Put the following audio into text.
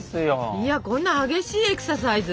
いやこんな激しいエクササイズ？